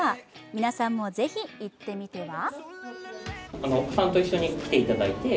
皆さんもぜひ、行ってみては？